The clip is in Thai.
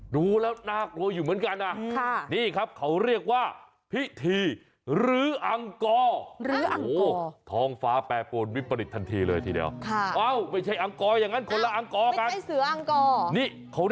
รู้แล้วน่ากลัวอยู่เหมือนกันนะคือพิธีรืะอังกอ